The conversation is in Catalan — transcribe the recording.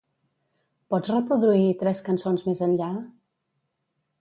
Pots reproduir tres cançons més enllà?